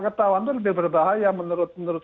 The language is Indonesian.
ketahuan itu lebih berbahaya menurut